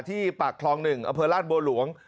ที่ปากคลอง๑อำเภอราชโบรวง